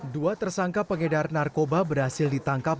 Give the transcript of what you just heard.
dua tersangka pengedar narkoba berhasil ditangkap